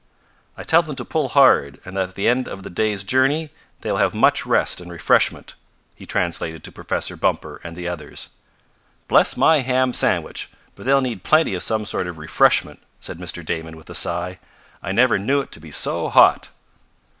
"I tell them to pull hard and that at the end of the day's journey they will have much rest and refreshment," he translated to Professor Bumper and the others. "Bless my ham sandwich, but they'll need plenty of some sort of refreshment," said Mr. Damon, with a sigh. "I never knew it to be so hot."